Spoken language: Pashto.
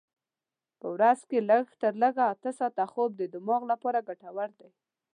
په ورځ کې لږ تر لږه اته ساعته خوب د دماغ لپاره ګټور دی.